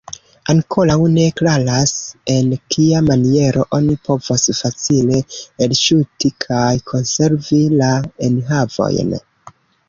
Ankoraŭ ne klaras, en kia maniero oni povos facile elŝuti kaj konservi la enhavojn.